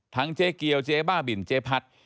เจ๊เกียวเจ๊บ้าบินเจ๊พัด